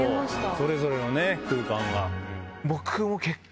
それぞれの空間が。